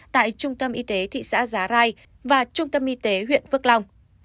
tại trung tâm y tế thị xã giá rai và trung tâm y tế huyện phước long